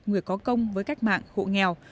người có công với cách mạng hộ nghèo